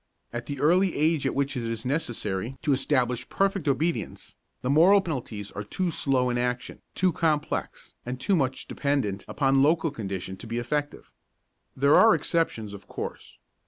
At the early age at which it is necessary to establish perfect obedience, the moral penalties are too slow in action, too complex and too much dependent upon local condition to be effective. There are exceptions, of course.